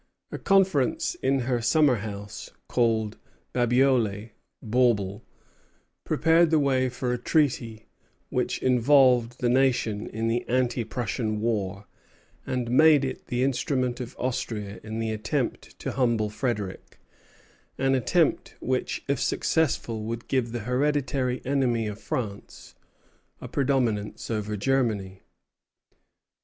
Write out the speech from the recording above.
A conference at her summer house, called Babiole, "Bawble," prepared the way for a treaty which involved the nation in the anti Prussian war, and made it the instrument of Austria in the attempt to humble Frederic, an attempt which if successful would give the hereditary enemy of France a predominance over Germany.